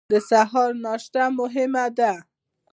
د سهار ناشته مهمه ده